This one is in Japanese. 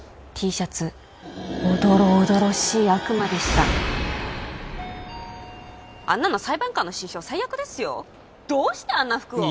Ｔシャツおどろおどろしい悪魔でしたあんなの裁判官の心証最悪ですよどうしてあんな服を？